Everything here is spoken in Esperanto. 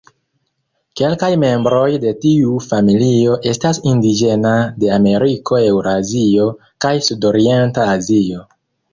Kelkaj membroj de tiu familio estas indiĝena de Ameriko, Eŭrazio, kaj Sudorienta Azio.